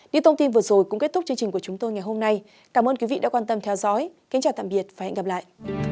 những thông tin vừa rồi cũng kết thúc chương trình của chúng tôi ngày hôm nay cảm ơn quý vị đã quan tâm theo dõi kính chào tạm biệt và hẹn gặp lại